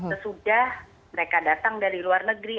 sesudah mereka datang dari luar negeri